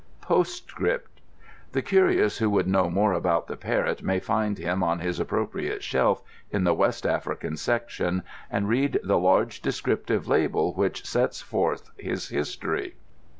Postscript.—The curious who would know more about the parrot may find him on his appropriate shelf in the West African Section, and read the large descriptive label which sets forth his history.